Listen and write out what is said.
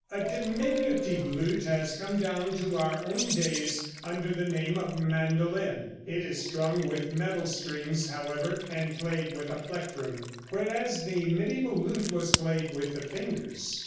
A diminutive lute has come down to our own days under the name of Mandolin. It is strung with metal strings, however, and played with a plectrum, whereas the mediæval lute was played with the fingers.